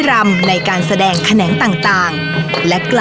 คุณผู้ชมอยู่กับดิฉันใบตองราชนุกูลที่จังหวัดสงคลาค่ะ